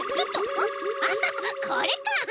ああこれか！